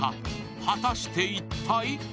果たして一体？